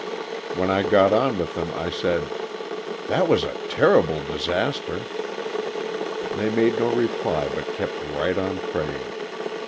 When I got on with them I said: ''That was a terrible disaster." They made no reply but kept right on praying.